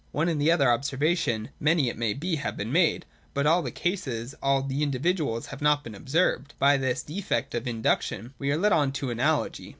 One and the other observation, many it may be, have been made : but all the cases, all the individuals, have not been observed. By this defect of In duction we are led on to Analogy.